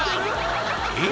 えっ？